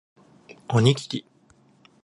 おにぎり